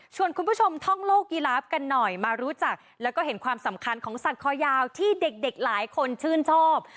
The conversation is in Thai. คุณผู้ชมท่องโลกกีฬาฟกันหน่อยมารู้จักแล้วก็เห็นความสำคัญของสัตว์คอยาวที่เด็กหลายคนชื่นชอบ